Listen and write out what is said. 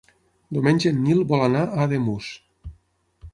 Diumenge en Nil vol anar a Ademús.